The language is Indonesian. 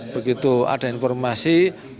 begitu ada informasi